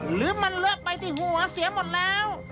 หรือมันเลอะไปที่หัวเสียหมดแล้ว